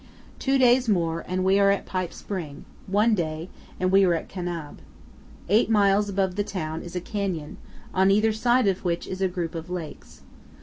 Two days more, and we are at Pipe Spring; one day, and we are at Kanab. Eight miles above the town is a canyon, on either side of which is a group of lakes.